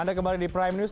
anda kembali di prime news